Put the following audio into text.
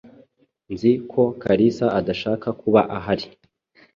Nzi ko Kalisa adashaka kuba ahari.